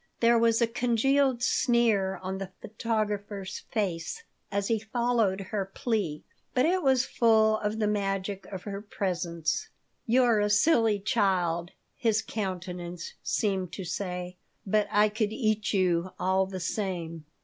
There was a congealed sneer on the photographer's face as he followed her plea, but it was full of the magic of her presence "You're a silly child," his countenance seemed to say. "But I could eat you, all the same."